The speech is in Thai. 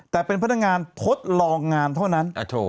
แต่เป็นพนักงานทดลองงานเท่านั้น